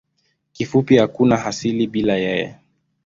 Kifupi hakuna asili bila yeye.